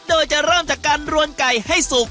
โดยจะเริ่มจากการรวนไก่ให้สุก